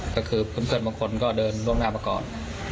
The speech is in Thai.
ก็คือเพื่อนบางคนก็เดินล่วงหน้ามาก่อน